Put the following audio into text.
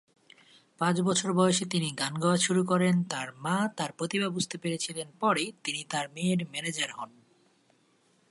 পাঁচ বছর বয়সে তিনি গান গাওয়া শুরু করেন, তার মা তার প্রতিভা বুঝতে পেরেছিলেন পরে তিনি তার মেয়ের ম্যানেজার হন।